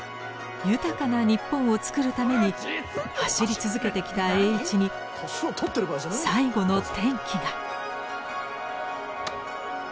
豊かな日本を作るために走り続けてきた栄一に最後の転機が。